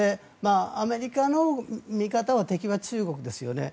アメリカの見方は敵は中国ですよね。